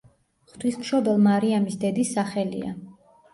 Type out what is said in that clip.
ღვთისმშობელ მარიამის დედის სახელია.